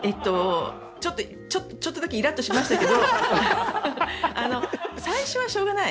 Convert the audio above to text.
ちょっとだけイラッとしましたけど最初はしょうがない。